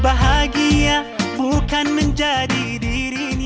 selamat datang para hadirin